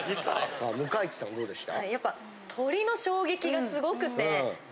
さあ向井地さんどうでした？